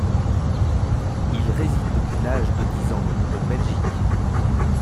Il réside depuis l'âge de dix ans en Belgique.